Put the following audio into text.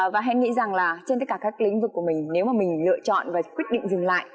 và hẹn nghĩ rằng là trên tất cả các lĩnh vực của mình nếu mà mình lựa chọn và quyết định dừng lại